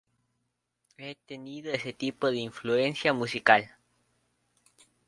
He tenido ese tipo de influencia musical"".